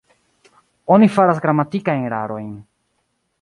Oni faras gramatikajn erarojn.